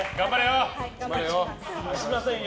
しませんよ。